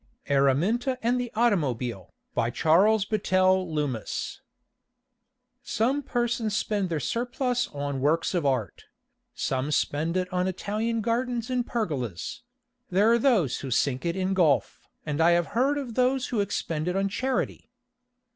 ARAMINTA AND THE AUTOMOBILE BY CHARLES BATTELL LOOMIS Some persons spend their surplus on works of art; some spend it on Italian gardens and pergolas; there are those who sink it in golf, and I have heard of those who expended it on charity.